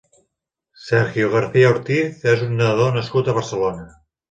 Sergio García Ortiz és un nedador nascut a Barcelona.